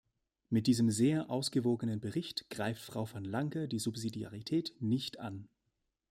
Mit diesem sehr ausgewogenen Bericht greift Frau van Lancker die Subsidiarität nicht an.